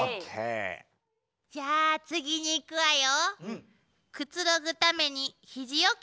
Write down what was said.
じゃあ次にいくわよ。